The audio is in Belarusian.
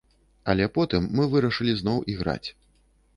Але потым мы вырашылі зноў іграць.